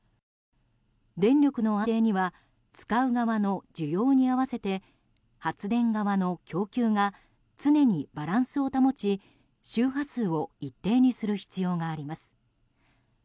電力の安定には使う側の需要に合わせて発電側の供給が常にバランスを保ち周波数を一定にする必要があります。